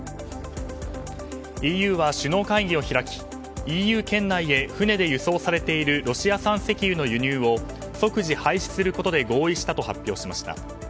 ＥＵは首脳会談を開きＥＵ圏内へ船で輸送されているロシア産石油の輸入を即時廃止することで合意したと発表しました。